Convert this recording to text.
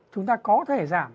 chúng ta có thể giảm